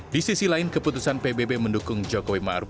di sisi lain keputusan pbb mendukung jokowi maruf